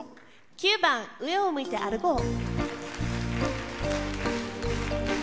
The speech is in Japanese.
９番「上を向いて歩こう」。